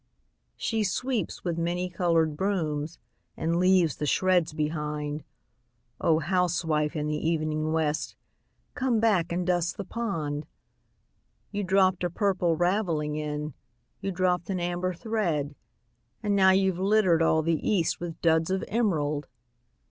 She sweeps with many colored brooms, And leaves the shreds behind; Oh, housewife in the evening west, Come back, and dust the pond! You dropped a purple ravelling in, You dropped an amber thread; And now you 've littered all the East With duds of emerald!